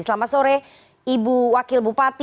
selamat sore ibu wakil bupati